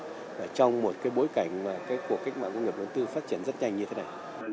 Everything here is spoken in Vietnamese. trong một cái bối cảnh mà cái cuộc cách mạng công nghiệp bốn tư phát triển rất nhanh như thế này